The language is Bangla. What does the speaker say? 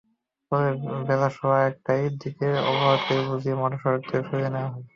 পরে বেলা সোয়া একটার দিকে অবরোধকারীদের বুঝিয়ে মহাসড়ক থেকে সরিয়ে দেওয়া হয়।